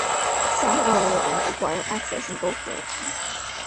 Some algorithms require access in both directions.